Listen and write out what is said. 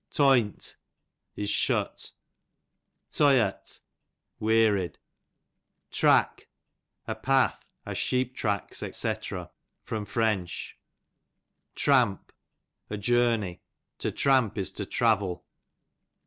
Toynt, is shut. Toyart, wearied. Track, a path, els sheep tracks, dc. Pr. Tramp, a journey, to tramp is to travel.